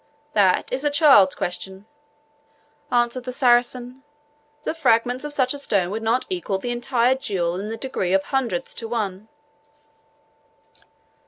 "That is a child's question," answered the Saracen; "the fragments of such a stone would not equal the entire jewel in the degree of hundreds to one."